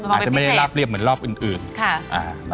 อาจจะไม่ได้ราบเรียบเหมือนรอบอื่น